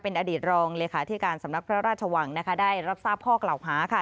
อดีตรองเลขาที่การสำนักพระราชวังนะคะได้รับทราบข้อกล่าวหาค่ะ